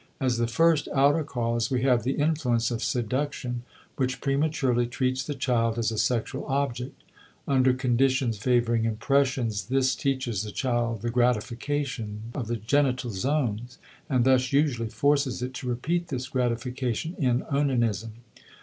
As the first outer cause we have the influence of seduction which prematurely treats the child as a sexual object; under conditions favoring impressions this teaches the child the gratification of the genital zones, and thus usually forces it to repeat this gratification in onanism.